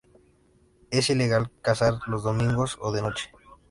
Es ilegal cazar los domingos o de noche.